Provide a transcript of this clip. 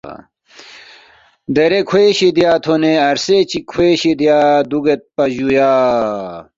دیرے کھوے شِدیا تھونے عرصے چِک کھوے شِدیا دُوگیدپا جُویا